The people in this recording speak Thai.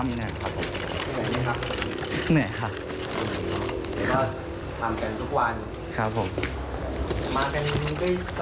ไม่ได้มีบันทรัพย์มาอะไรอย่างนี้